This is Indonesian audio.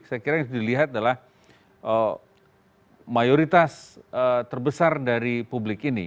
saya kira yang dilihat adalah mayoritas terbesar dari publik ini